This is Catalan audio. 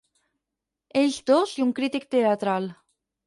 Ells dos i un crític teatral.